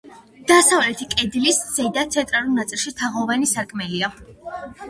დასავლეთი კედლის ზედა, ცენტრალურ ნაწილში თაღოვანი სარკმელია.